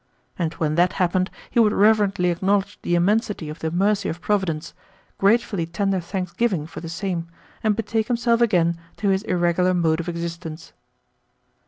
And when that happened he would reverently acknowledge the immensity of the mercy of Providence, gratefully tender thanksgiving for the same, and betake himself again to his irregular mode of existence.